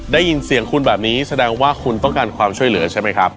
ได้ยินเสียงคุณแบบนี้แสดงว่าคุณต้องการความช่วยเหลือใช่ไหมครับ